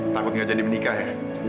takut nggak jadi menikah ya